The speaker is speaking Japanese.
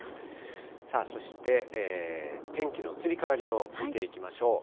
そして天気の移り変わりを見ていきましょう。